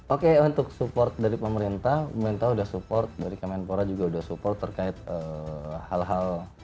oke untuk support dari pemerintah pemerintah sudah support dari kemenpora juga sudah support terkait hal hal